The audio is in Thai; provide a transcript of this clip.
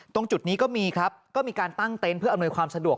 ตรงจุดนี้ก็มีครับก็มีการตั้งเต็นต์เพื่ออำนวยความสะดวก